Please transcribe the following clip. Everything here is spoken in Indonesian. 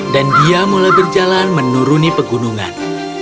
dan dia mulai berjalan menuruni pegunungan